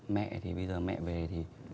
mẹ thì bây giờ mẹ về thì